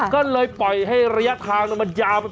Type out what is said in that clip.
ก็เลยปล่อยให้ระยะทางมันยาว